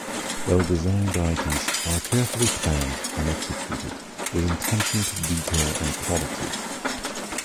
Well-designed items are carefully planned and executed, with attention to detail and quality.